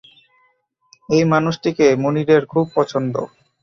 এই মানুষটিকে মুনিরের খুব পছন্দ।